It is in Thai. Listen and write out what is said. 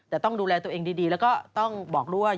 แต่ต้องดูแลตัวเองดีแล้วก็ต้องบอกด้วย